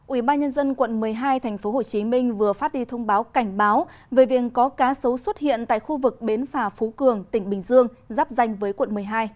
ủy ban nhân dân quận một mươi hai tp hcm vừa phát đi thông báo cảnh báo về việc có cá sấu xuất hiện tại khu vực bến phà phú cường tỉnh bình dương giáp danh với quận một mươi hai